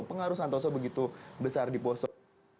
pengaruh santoso begitu besar di poso